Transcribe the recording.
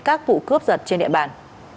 các vụ cướp giật trên địa bàn